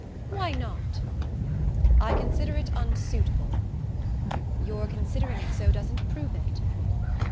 "Why not?" "I consider it unsuitable." "Your considering it so doesn't prove it."